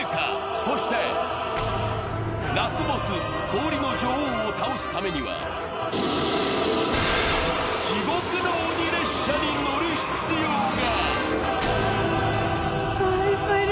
そしてラスボス・氷の女王を倒すためには地獄の鬼列車に乗る必要が。